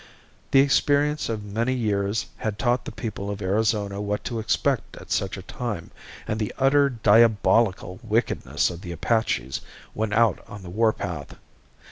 The experience of many years had taught the people of Arizona what to expect at such a time and the utter diabolical wickedness of the Apaches when out on the warpath.